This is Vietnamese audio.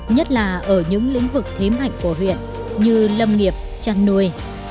nhất là ở những lĩnh vực thế mạnh của huyện như lâm nghiệp chăn nuôi